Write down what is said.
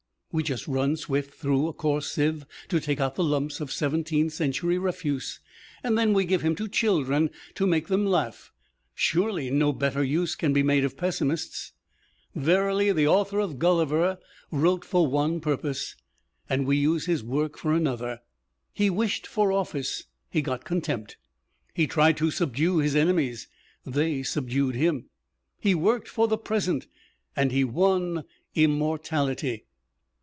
We just run Swift through a coarse sieve to take out the lumps of Seventeenth Century refuse, and then we give him to children to make them laugh. Surely no better use can be made of pessimists. Verily, the author of Gulliver wrote for one purpose, and we use his work for another. He wished for office, he got contempt; he tried to subdue his enemies, they subdued him; he worked for the present, and he won immortality.